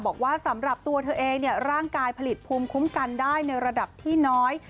บอกว่าสำหรับตัวเธอเองร่างกายผลิตภูมิคุ้มกันได้ในระดับที่น้อย